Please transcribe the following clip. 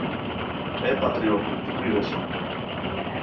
Ε, πατριώτη! πού κρύβεσαι;